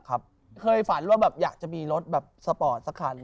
เคยฝันว่าแบบอยากจะมีรถแบบสปอร์ตสักคัน